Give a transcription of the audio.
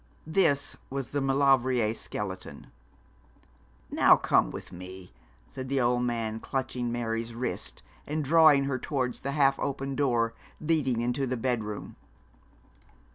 This was the Maulevrier skeleton. 'Now, come with me,' said the old man, clutching Mary's wrist, and drawing her towards the half open door leading into the bedroom.